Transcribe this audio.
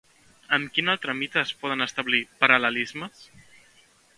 Amb quin altre mite es poden establir paral·lelismes?